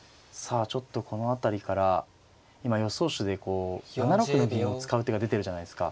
ちょっとこの辺りから今予想手で７六の銀を使う手が出てるじゃないですか。